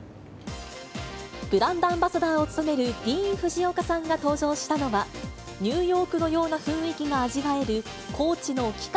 ブランドアンバサダーを務めるディーン・フジオカさんが登場したのは、ニューヨークのような雰囲気が味わえる、ＣＯＡＣＨの期間